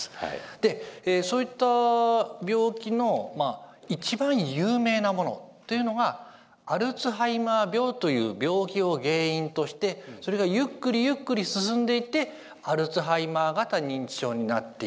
でそういった病気の一番有名なものというのが「アルツハイマー病」という病気を原因としてそれがゆっくりゆっくり進んでいってアルツハイマー型認知症になっていく。